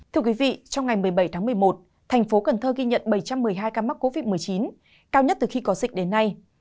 thưa quý vị trong ngày một mươi bảy tháng một mươi một thành phố cần thơ ghi nhận bảy trăm một mươi hai ca mắc covid một mươi chín cao nhất từ khi có dịch đến nay